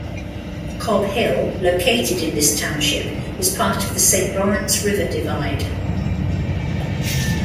Cobb Hill, located in this township, is part of the Saint Lawrence River Divide.